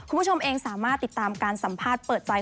คุณผู้ชมเองสามารถติดตามการสัมภาษณ์เปิดใจ